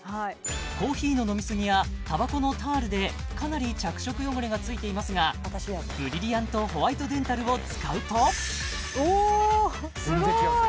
コーヒーの飲みすぎやたばこのタールでかなり着色汚れがついていますがブリリアントホワイトデンタルを使うとおすごい全然違います